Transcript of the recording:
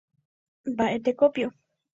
Mba'etekópio.